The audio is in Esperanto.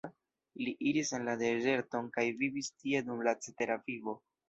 Li iris en la dezerton kaj vivis tie dum la cetera vivo.